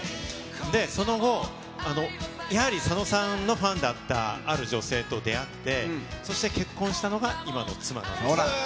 で、その後、やはり佐野さんのファンだったある女性と出会って、そして結婚したのが今の妻なんです。